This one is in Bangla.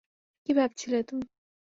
কী ভাবছিলে তুমি?